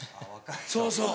そうそう。